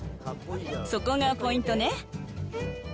そこがポイントね。